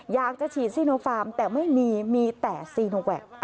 อยากจะฉีดซีโนฟาร์มแต่ไม่มีมีแต่ซีโนแวค